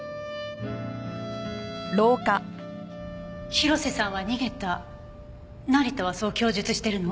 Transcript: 広瀬さんは逃げた成田はそう供述してるの？